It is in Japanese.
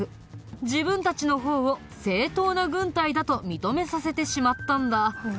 自分たちの方を正統な軍隊だと認めさせてしまったんだ。